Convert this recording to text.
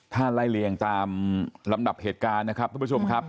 ถ้าไล่เลี่ยงตามลำดับเหตุการณ์นะครับทุกผู้ชมครับ